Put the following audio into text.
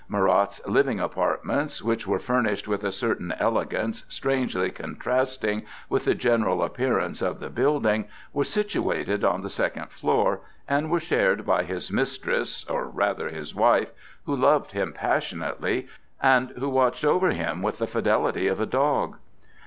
Marat's living apartments, which were furnished with a certain elegance strangely contrasting with the general appearance of the building, were situated on the second floor and were shared by his mistress, or rather his wife, who loved him passionately, and who watched over him with the fidelity of a dog.